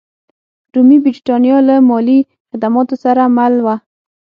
رومي برېټانیا له مالي خدماتو سره مل وه.